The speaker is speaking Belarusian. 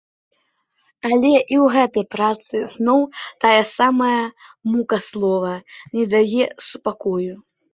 Але і ў гэтай працы, зноў тая самая мука слова не дае супакою.